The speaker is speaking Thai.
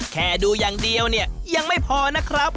แค่ดูอย่างเดียวเนี่ยยังไม่พอนะครับ